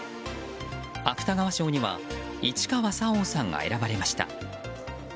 芥川賞には市川沙央さんが選ばれました。